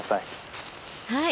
はい。